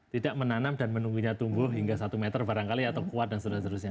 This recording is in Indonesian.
tidak menanam dan menunggunya tumbuh hingga satu meter barangkali atau kuat dan seterusnya